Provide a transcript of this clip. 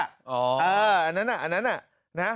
อ๋ออันนั้นอ่ะอันนั้นอ่ะ